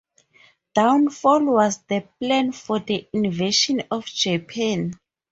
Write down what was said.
Downfall was the plan for the invasion of Japan.